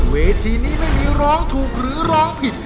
เวทีนี้ไม่มีร้องถูกหรือร้องผิด